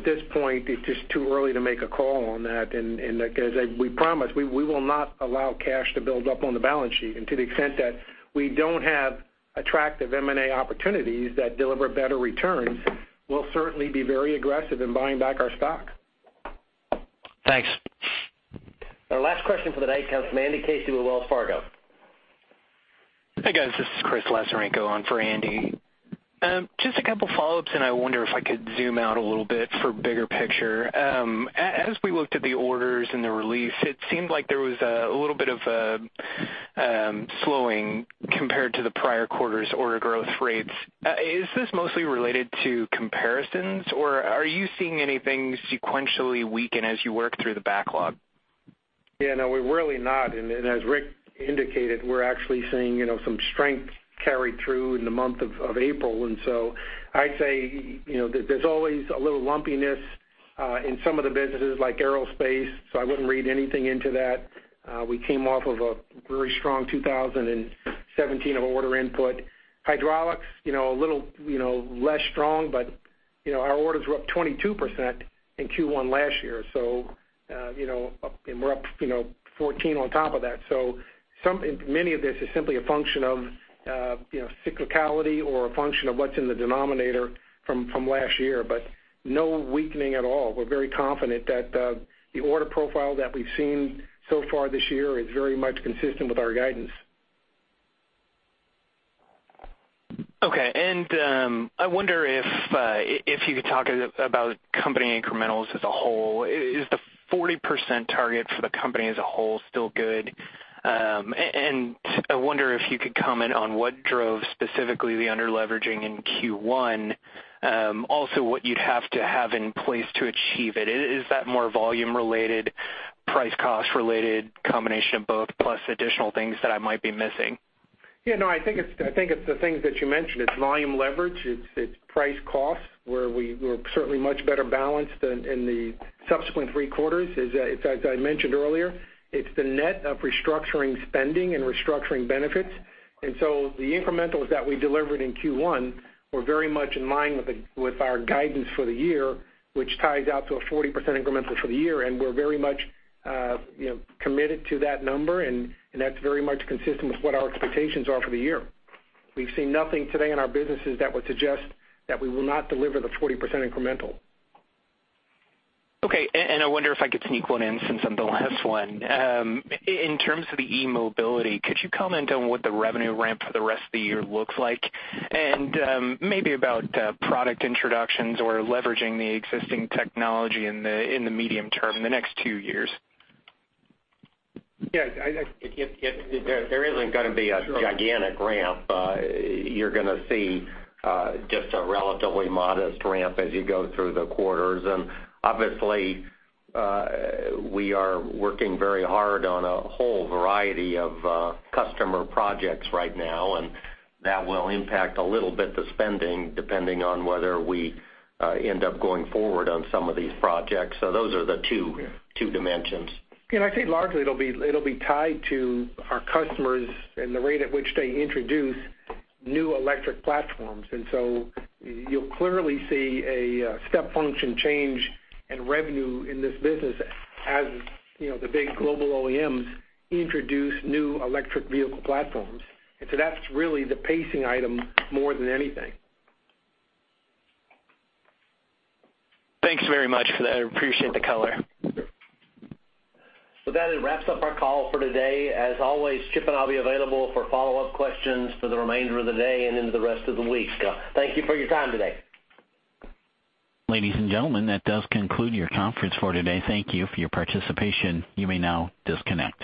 this point, it's just too early to make a call on that. As we promised, we will not allow cash to build up on the balance sheet. To the extent that we don't have attractive M&A opportunities that deliver better returns, we'll certainly be very aggressive in buying back our stock.
Thanks.
Our last question for the night comes from Andy Casey with Wells Fargo.
Hey, guys. This is Chris Lasorenco on for Andy. A couple follow-ups, I wonder if I could zoom out a little bit for bigger picture. As we looked at the orders and the release, it seemed like there was a little bit of a slowing compared to the prior quarter's order growth rates. Is this mostly related to comparisons, or are you seeing anything sequentially weaken as you work through the backlog?
Yeah, no, we're really not. As Rick indicated, we're actually seeing some strength carry through in the month of April. I'd say there's always a little lumpiness in some of the businesses, like Aerospace, so I wouldn't read anything into that. We came off of a very strong 2017 of order input. Hydraulics, a little less strong, but our orders were up 22% in Q1 last year. We're up 14 on top of that. Many of this is simply a function of cyclicality or a function of what's in the denominator from last year, but no weakening at all. We're very confident that the order profile that we've seen so far this year is very much consistent with our guidance.
Okay. I wonder if you could talk about company incrementals as a whole. Is the 40% target for the company as a whole still good? I wonder if you could comment on what drove specifically the under-leveraging in Q1, also what you'd have to have in place to achieve it. Is that more volume related, price cost related, combination of both, plus additional things that I might be missing?
Yeah, no, I think it's the things that you mentioned. It's volume leverage. It's price cost, where we're certainly much better balanced in the subsequent three quarters. As I mentioned earlier, it's the net of restructuring spending and restructuring benefits. The incrementals that we delivered in Q1 were very much in line with our guidance for the year, which ties out to a 40% incremental for the year, and we're very much committed to that number, and that's very much consistent with what our expectations are for the year. We've seen nothing today in our businesses that would suggest that we will not deliver the 40% incremental.
Okay. I wonder if I could sneak one in since I'm the last one. In terms of the eMobility, could you comment on what the revenue ramp for the rest of the year looks like? Maybe about product introductions or leveraging the existing technology in the medium term, the next two years.
Yeah. There isn't going to be a gigantic ramp. You're going to see just a relatively modest ramp as you go through the quarters. Obviously, we are working very hard on a whole variety of customer projects right now, and that will impact a little bit the spending, depending on whether we end up going forward on some of these projects. Those are the two dimensions.
I'd say largely it'll be tied to our customers and the rate at which they introduce new electric platforms. You'll clearly see a step function change in revenue in this business as the big global OEMs introduce new electric vehicle platforms. That's really the pacing item more than anything.
Thanks very much for that. I appreciate the color.
That wraps up our call for today. As always, Chip and I'll be available for follow-up questions for the remainder of the day and into the rest of the week. Thank you for your time today.
Ladies and gentlemen, that does conclude your conference for today. Thank you for your participation. You may now disconnect.